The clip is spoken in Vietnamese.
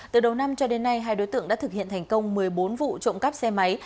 từ đầu năm cho đến nay hai đối tượng đã thực hiện thành công một mươi bốn vụ trộm cắp xe máy